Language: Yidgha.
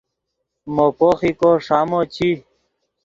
مو پوخیکو ݰامو چی